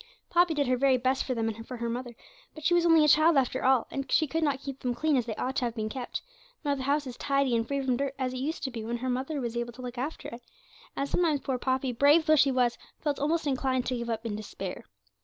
Poppy did her very best for them and for her mother, but she was only a child after all, and she could not keep them as clean as they ought to have been kept, nor the house as tidy and free from dirt as it used to be when her mother was able to look after it, and sometimes poor Poppy, brave though she was, felt almost inclined to give up in despair.